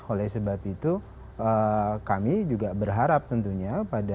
oleh sebab itu kami juga berharap tentunya